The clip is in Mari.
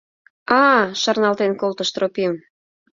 — А-а! — шарналтен колтыш Тропим.